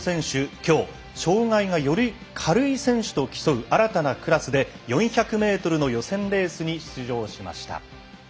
きょう、障がいがより軽い選手と競う新たなクラスで４００メートルの予選レースに出